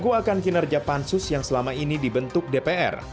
sejak tahun dua ribu tujuh belas di indonesia pansus yang selama ini dibentuk dpr